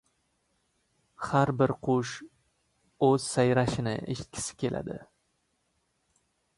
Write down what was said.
• Har bir qush o‘z sayrashini eshitgisi keladi.